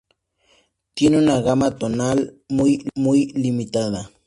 Tiene una gama tonal muy limitada.